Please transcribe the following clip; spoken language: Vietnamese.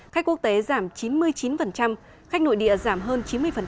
khách quốc tế giảm chín mươi chín khách nội địa giảm hơn chín mươi